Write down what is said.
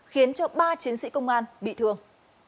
khiến ba chiến sĩ công an bị thương